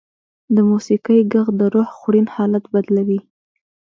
د موسیقۍ ږغ د روح خوړین حالت بدلوي.